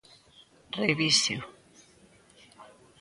Revíseo.